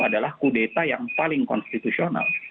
adalah kudeta yang paling konstitusional